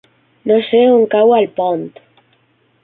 No sé on cau Alpont.